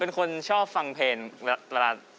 เฮ้ยอย่าลืมฟังเพลงผมอาจารย์นะ